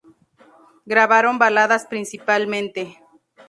Grabaron baladas principalmente.